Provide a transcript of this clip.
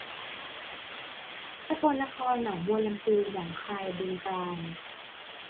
สกลนครหนองบัวลำภูหนองคายบึงกาฬ